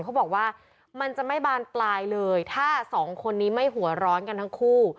เขาบอกว่ามันจะไม่บานปลายเลยถ้าสองคนนี้ไม่หัวร้อนกันทั้งคู่